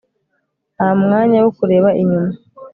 nta mwanya wo kureba inyuma